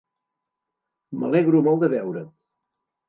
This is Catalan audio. M'alegro molt de veure't.